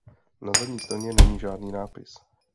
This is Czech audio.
Na zadní straně není žádný nápis.